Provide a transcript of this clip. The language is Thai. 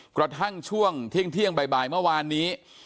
กระทั่งช่วงเที่ยงบ่ายเมื่อวานนี้